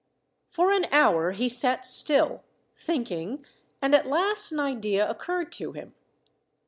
For an hour he sat still, thinking, and at last an idea occurred to him.